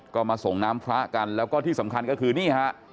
ก็มาส่งน้ำพระกันแล้วก็ที่สำคัญก็คือนี่ฮะ